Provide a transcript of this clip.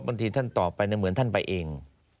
บางทีท่านตอบไปเหมือนท่านไปเอง